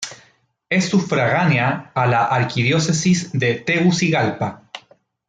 Es sufragánea a la Arquidiócesis de Tegucigalpa.